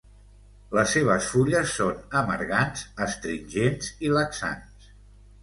Les seves fulles són amargants astringents i laxants.